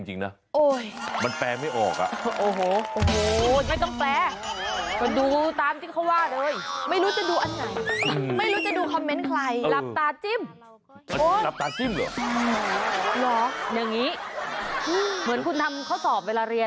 เหี้ยสแหละทีเนี้ย